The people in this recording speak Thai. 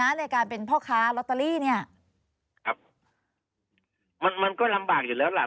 ในการเป็นพ่อค้าลอตเตอรี่เนี้ยครับมันมันก็ลำบากอยู่แล้วล่ะ